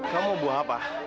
kamu mau buah apa